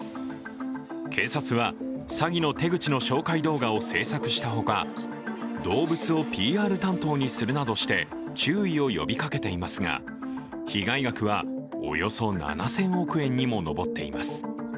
警察は詐欺の手口の紹介動画を制作したほか動物をＰＲ担当にするなどして注意を呼びかけていますが、被害額はおよそ７０００億円にも上っています。